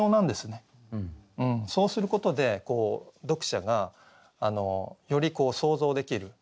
そうすることで読者がより想像できる。